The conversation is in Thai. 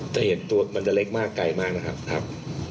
จะเห็นตัวมันจะเล็กมากไกลมากนะครับ